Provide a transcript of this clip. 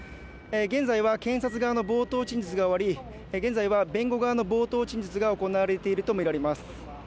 現在は検察側の冒頭陳述が終わり現在は弁護側の冒頭陳述が行われていると見られます